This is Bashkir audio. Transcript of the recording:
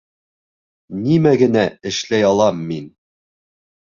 Нимә генә эшләй алам мин?